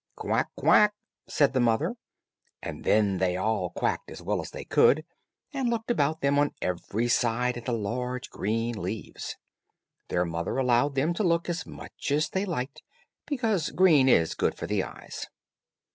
"Quack, quack," said the mother, and then they all quacked as well as they could, and looked about them on every side at the large green leaves. Their mother allowed them to look as much as they liked, because green is good for the eyes.